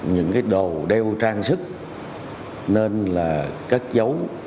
những đồ đeo trang sức nên là cất dấu